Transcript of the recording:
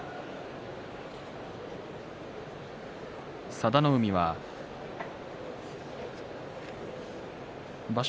佐田の海は場所